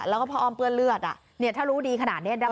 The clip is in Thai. แล้วก็พระอ้อมเปื้อนเลือดอ่ะเนี่ยถ้ารู้ดีขนาดนี้ดับนอน